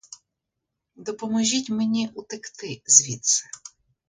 Допоможіть мені утекти звідси.